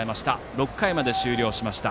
６回まで終了しました。